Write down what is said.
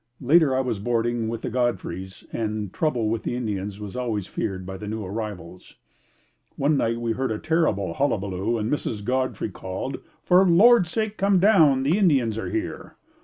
Later I was boarding with the Godfrey's and trouble with the Indians was always feared by the new arrivals. One night we heard a terrible hullabaloo and Mrs. Godfrey called, "For the Lord's sake come down, the Indians are here."